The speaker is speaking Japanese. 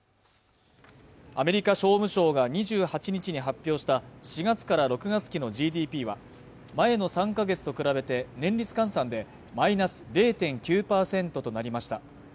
アメリカ商務省が２８日に発表した４月から６月期のＧＤＰは前の３か月と比べて年率換算でマイナス０．９％となりました